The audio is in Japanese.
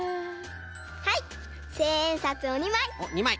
はい１，０００えんさつを２まい。